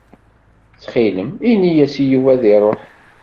Ttxil-m, ini-yas i Yuba ad iruḥ.